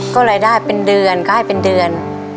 ก็เลยได้เป็นเดือนก็ให้เป็นเดือน